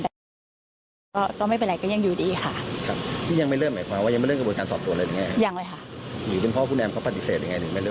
อยู่ด้วยเพราะว่าคุณแอมเขาปฏิเสธยังไงยังไม่เริ่มไหม